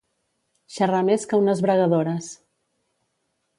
Xerrar més que unes bregadores.